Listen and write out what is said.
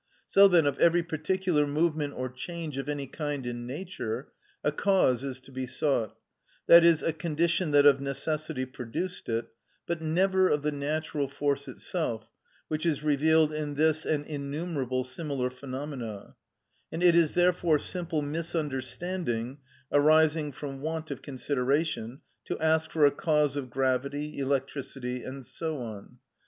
So then of every particular movement or change of any kind in nature, a cause is to be sought, that is, a condition that of necessity produced it, but never of the natural force itself which is revealed in this and innumerable similar phenomena; and it is therefore simple misunderstanding, arising from want of consideration, to ask for a cause of gravity, electricity, and so on.